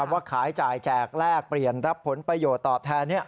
ว่าขายจ่ายแจกแลกเปลี่ยนรับผลประโยชน์ตอบแทน